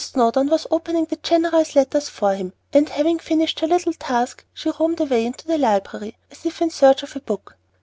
Snowdon was opening the general's letters for him, and, having finished her little task, she roamed away into the library, as if in search of a book.